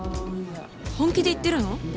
本気で言ってるの？